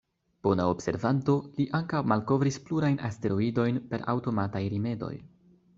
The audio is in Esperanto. Bona observanto, li ankaŭ malkovris plurajn asteroidojn per aŭtomataj rimedoj.